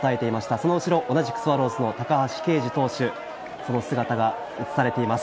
その後ろ、同じくスワローズの高橋奎二投手、その姿が映されています。